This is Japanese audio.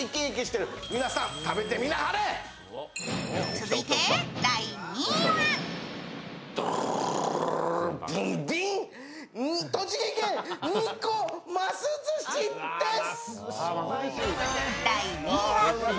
続いて第２位は栃木県日光鱒寿しです！